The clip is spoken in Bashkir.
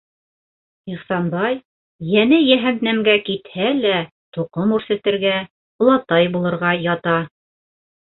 Ихсанбай, йәне йәһәннәмгә китһә лә, тоҡом үрсетергә, олатай булырға ята.